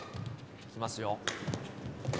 いきますよ。